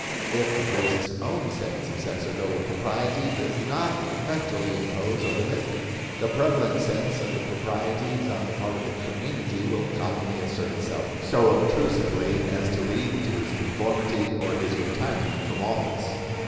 If the priest's own sense of sacerdotal propriety does not effectually impose a limit, the prevalent sense of the proprieties on the part of the community will commonly assert itself so obtrusively as to lead to his conformity or his retirement from office.